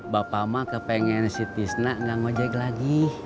bapak mah kepengen si tisna nggak ngojek lagi